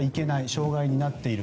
障害になっている。